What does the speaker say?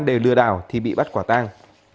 để lừa đảo thì bị bắt quả tang